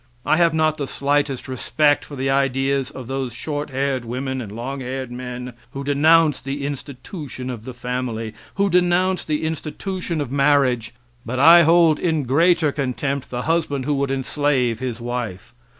I have not the slightest respect for the ideas of those short haired women and long haired men who denounce the institution of the family, who denounce the institution of marriage; but I hold in greater contempt the husband who would enslave his wife.